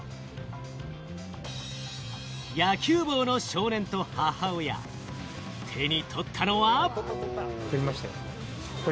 野球帽の少年と母親、手に取ったのは。